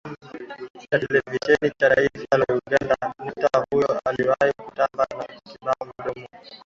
cha televisheni cha taifa la Uganda Nyota huyo aliyewahi kutamba na kibao mdomo